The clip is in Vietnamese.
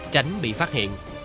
tránh bị phát hiện